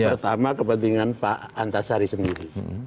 pertama kepentingan pak antasari sendiri